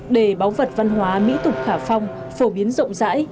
để báu vật văn hóa mỹ tục khả phong phổ biến rộng rãi